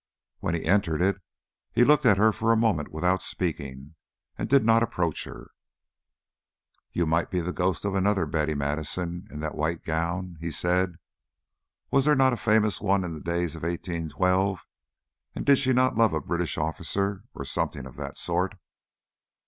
When he entered it, he looked at her for a moment without speaking, and did not approach her. "You might be the ghost of another Betty Madison in that white gown," he said. "Was there not a famous one in the days of 1812, and did she not love a British officer or something of that sort?"